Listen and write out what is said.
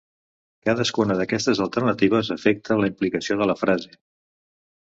Cadascuna d'aquestes alternatives afecta la implicació de la frase.